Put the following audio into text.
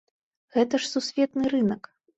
Гэта ж сусветны рынак!